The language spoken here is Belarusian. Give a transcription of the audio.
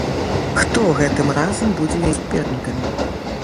Хто гэтым разам будзе яе супернікамі?